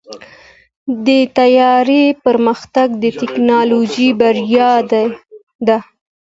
د طیارې پرمختګ د ټیکنالوژۍ بریا ده.